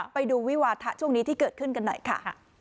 ไปดูวิวาทะช่วงนี้ที่เกิดขึ้นกันหน่อยค่ะ